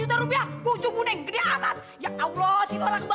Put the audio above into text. tangba ukuran saya saja